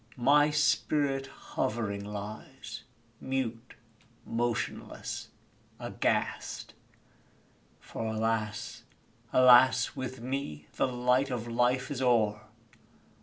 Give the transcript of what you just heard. my spirit hovering lies Mute, motionless, aghast! For, alas! alas! with me The light of Life is o'er!